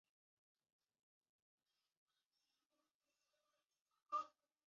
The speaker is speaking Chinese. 阴蒂肥大不同于性刺激下阴蒂的自然增大。